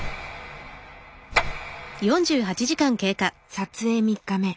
撮影３日目。